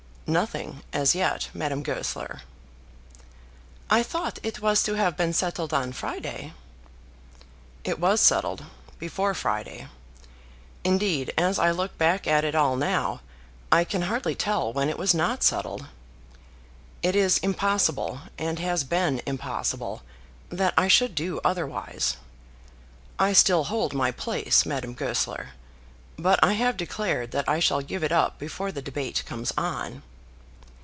"Nothing as yet, Madame Goesler." "I thought it was to have been settled on Friday?" "It was settled, before Friday. Indeed, as I look back at it all now, I can hardly tell when it was not settled. It is impossible, and has been impossible, that I should do otherwise. I still hold my place, Madame Goesler, but I have declared that I shall give it up before the debate comes on."